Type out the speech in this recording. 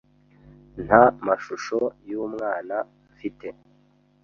Nta mashusho yumwana mfite.